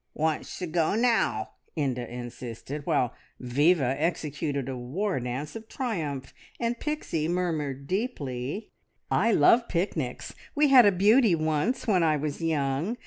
"Wants to go now!" Inda insisted; while Viva executed a war dance of triumph, and Pixie murmured deeply "I love picnics! We had a beauty once when I was young.